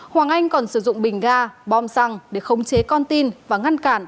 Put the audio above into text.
hoàng anh còn sử dụng bình ga bom xăng để khống chế con tin và ngăn cản